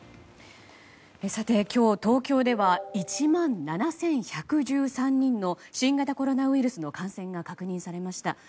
さて今日、東京では１万７１１３人の新型コロナウイルスの感染が確認されました。